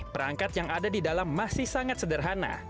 perangkat yang ada di dalam masih sangat sederhana